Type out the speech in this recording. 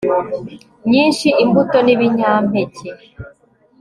nyinshi imbuto nibinyampeke